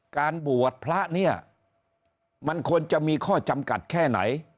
การบวชพระเนี่ยมันควรจะมีข้อจำกัดแค่ไหน